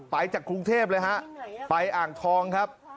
ไปจากกรุงเทพเลยฮะไปอ่างทองครับ